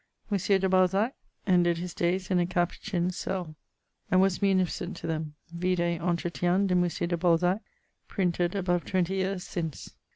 Monsieur de Balzac ended his dayes in a Cappucine's cell, and was munificent to them: vide Entretiens de monsieur de Balzac, printed above 20 yeares since.